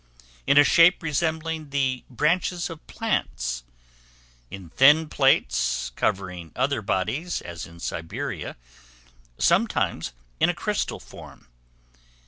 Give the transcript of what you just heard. in a shape resembling the branches of plants; in thin plates covering other bodies, as in Siberia; sometimes in a crystal form.